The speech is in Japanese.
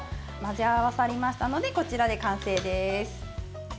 混ぜ合わさりましたのでこちらで完成です。